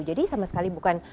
jadi sama sekali bukan